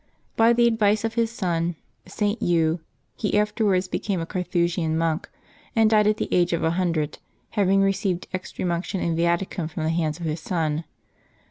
By the advice of his son, St. Hugh, he after wards became a Carthusian monk, and died at the age of a hundred, having received Extreme Unction and Viaticum from the hands of his son.